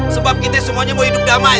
sebab kita semuanya mau hidup damai